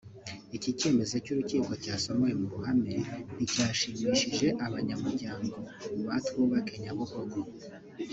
Iki cyemezo cy’urukiko cyasomewe mu ruhame nticyashimishije abanyamuryango ba “Twubake Nyabugogo”